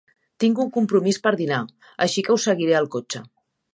Tinc un compromís per dinar, així que ho seguiré al cotxe.